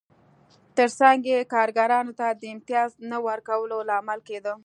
ترڅنګ یې کارګرانو ته د امتیاز نه ورکولو لامل کېده